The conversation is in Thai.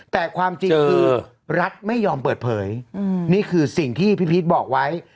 แต่ความจริงคือรัฐไม่ยอมเปิดเผยนี่คือสิ่งที่พี่พีชบอกไว้